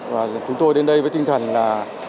và chúng tôi đến đây với tinh thần là